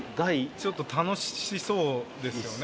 ちょっと楽しそうですよね。